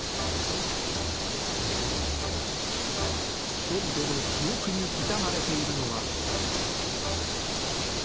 人々の記憶に刻まれているのは。